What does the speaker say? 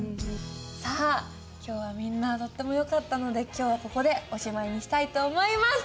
さあ今日はみんなとってもよかったので今日はここでおしまいにしたいと思います！